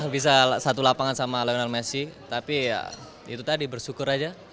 bisa satu lapangan sama lionel messi tapi ya itu tadi bersyukur aja